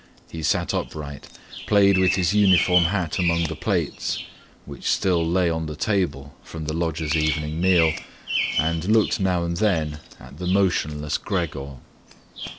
He sat upright, played with his uniform hat among the plates, which still lay on the table from the lodgers' evening meal, and looked now and then at the motionless Gregor.